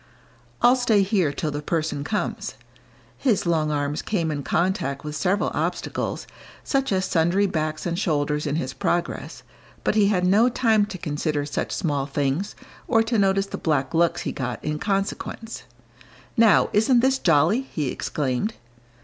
"I'll stay here till the person comes." His long arms came in contact with several obstacles, such as sundry backs and shoulders in his progress, but he had no time to consider such small things or to notice the black looks he got in consequence. "Now, isn't this jolly!" he exclaimed.